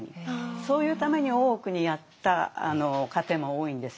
そういうために大奥にやった家庭も多いんですよね。